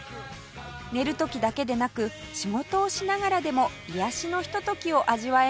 寝る時だけでなく仕事をしながらでも癒やしのひとときを味わえます